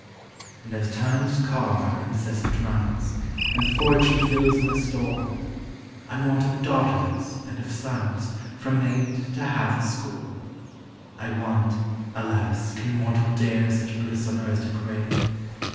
And as Time's car incessant runs, And Fortune fills my store, I want of daughters and of sons From eight to half a score. I want (alas ! can mortal dare Such bliss on earth to crave